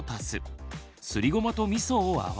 すりごまとみそを合わせる。